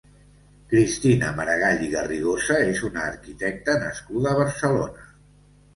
Cristina Maragall i Garrigosa és una arquitecta nascuda a Barcelona.